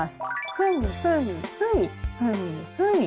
ふみふみふみふみふみ。